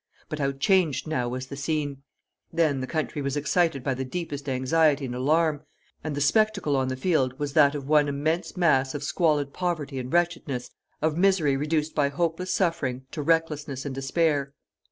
But how changed now was the scene! Then the country was excited by the deepest anxiety and alarm, and the spectacle on the field was that of one immense mass of squalid poverty and wretchedness, of misery reduced by hopeless suffering to recklessness and despair.